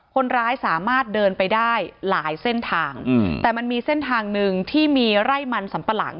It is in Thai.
คนร้ายสามารถเดินไปได้หลายเส้นทางแต่มันมีเส้นทางหนึ่งที่มีไร่มันสัมปะหลัง